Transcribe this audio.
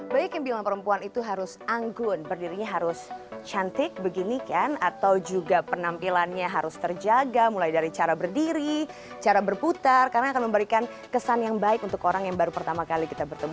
baik yang bilang perempuan itu harus anggun berdirinya harus cantik begini kan atau juga penampilannya harus terjaga mulai dari cara berdiri cara berputar karena akan memberikan kesan yang baik untuk orang yang baru pertama kali kita bertemu